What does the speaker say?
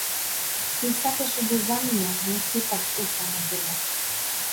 Тој сакаше да замине но сепак остана дома.